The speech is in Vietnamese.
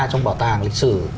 trong bảo tàng lịch sử